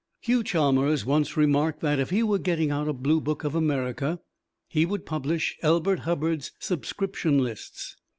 Hugh Chalmers once remarked that, if he were getting out a Blue Book of America, he would publish Elbert Hubbard's subscription lists.